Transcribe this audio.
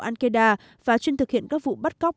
al qaeda và chuyên thực hiện các vụ bắt cóc